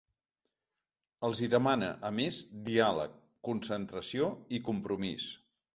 Els hi demana, a més, ‘diàleg, concentració i compromís’.